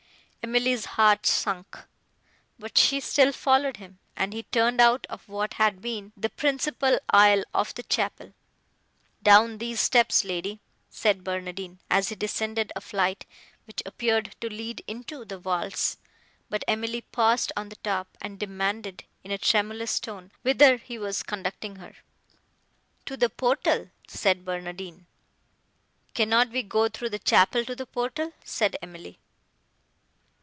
Emily's heart sunk; but she still followed him, and he turned out of what had been the principal aisle of the chapel. "Down these steps, lady," said Barnardine, as he descended a flight, which appeared to lead into the vaults; but Emily paused on the top, and demanded, in a tremulous tone, whither he was conducting her. "To the portal," said Barnardine. "Cannot we go through the chapel to the portal?" said Emily.